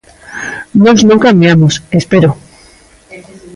Nós non cambiamos, espero.